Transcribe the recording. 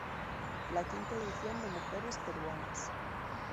La quinta edición de "Mujeres Peruanas.